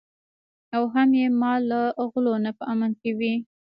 او هم یې مال له غلو نه په امن کې وي.